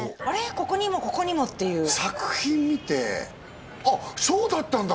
ここにもここにもっていう作品見てあっそうだったんだ！